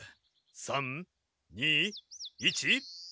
３２１。